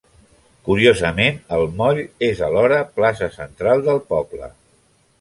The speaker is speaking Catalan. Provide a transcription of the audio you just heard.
Curiosament el moll és alhora plaça central del poble.